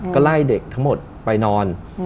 ก็ไล่เด็กทั้งหมดไปนอน